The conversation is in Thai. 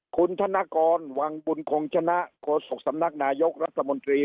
คุณธนกรวังบุญคงชนะโฆษกสำนักนายกรัฐมนตรี